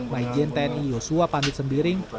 maijen tni yosua pandit sembiring